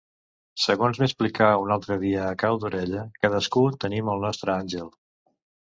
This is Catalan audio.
Segons m’explicà un altre dia a cau d’orella, cadascú tenim el nostre àngel.